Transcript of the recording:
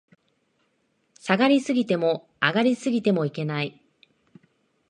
下がり過ぎても、上がり過ぎてもいけない